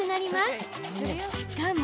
しかも。